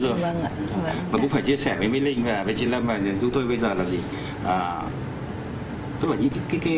và cũng phải chia sẻ với mỹ linh với chị lâm